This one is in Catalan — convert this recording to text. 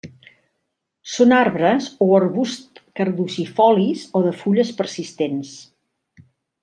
Són arbres o arbusts caducifolis o de fulles persistents.